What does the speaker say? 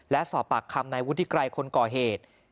และสอบปากคำนายวุฒิไกรคนก่อเหตุ